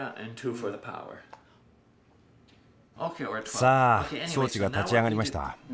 さあ装置が立ち上がりました。